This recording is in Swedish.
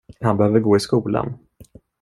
Han behöver gå i skolan.